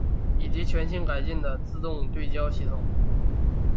以及全新改进的自动对焦系统。